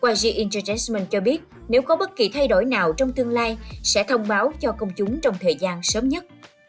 je inchement cho biết nếu có bất kỳ thay đổi nào trong tương lai sẽ thông báo cho công chúng trong thời gian sớm nhất